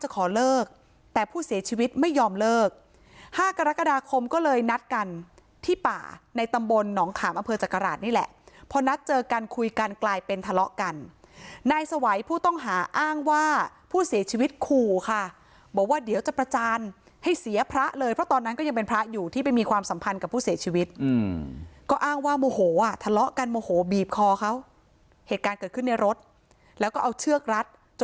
กระหลาดนี่แหละพอนักเจอกันคุยกันกลายเป็นทะเลาะกันนายสวัยผู้ต้องหาอ้างว่าผู้เสียชีวิตคู่ค่ะบอกว่าเดี๋ยวจะประจานให้เสียพระเลยเพราะตอนนั้นก็ยังเป็นพระอยู่ที่ไม่มีความสัมพันธ์กับผู้เสียชีวิตอืมก็อ้างว่าโมโหอ่ะทะเลาะกันโมโหบีบคอเขาเหตุการณ์เกิดขึ้นในรถแล้วก็เอาเชือกรัดจ